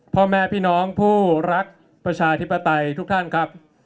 พ่อแม่พี่น้องผู้รักประชาธิปไตยทุกท่านครับ